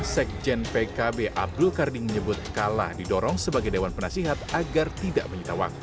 sekjen pkb abdul karding menyebut kalah didorong sebagai dewan penasihat agar tidak menyita waktu